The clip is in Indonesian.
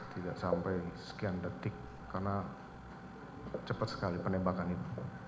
tidak sampai sekian detik karena cepat sekali penembakan itu